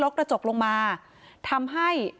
กระจกลงมาทำให้